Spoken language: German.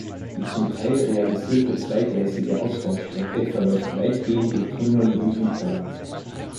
Die zum Teil realisierte zweigleisige Ausbaustrecke verläuft weitgehend in Tunneln im Hinterland.